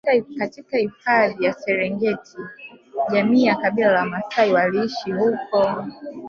katika hifadhi hii ya Serengeti jamii ya Kabila la Wamaasai waliishi huko